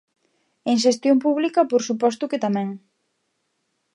En xestión pública por suposto que tamén.